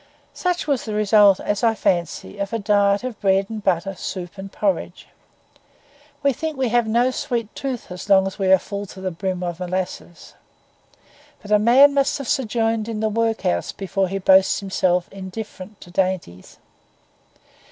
Such was the result, as I fancy, of a diet of bread and butter, soup and porridge. We think we have no sweet tooth as long as we are full to the brim of molasses; but a man must have sojourned in the workhouse before he boasts himself indifferent to dainties.